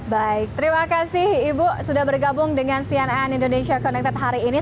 baik terima kasih ibu sudah bergabung dengan cnn indonesia connected hari ini